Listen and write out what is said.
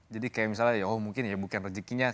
jadi kayak misalnya ya mungkin ya bukan rezekinya